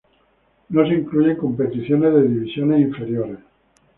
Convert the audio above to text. No se incluyen competiciones de divisiones inferiores.